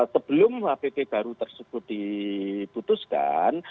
sebelum hpp baru tersebut diputuskan